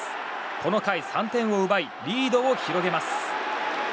この回３点を奪いリードを広げます。